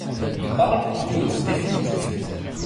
On parle d'hôte définitif.